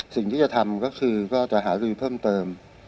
สิ่งที่จะทำก็คือก็จะหารือเพิ่มเติม